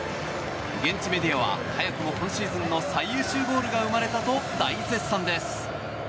現地メディアは早くも今シーズンの最優秀ゴールが生まれたと大絶賛です。